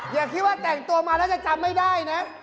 อย่าคิดว่าแต่งตัวมาแล้วจะจำไม่ได้นะ